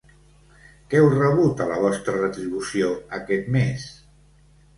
Què heu rebut a la vostra retribució aquest mes?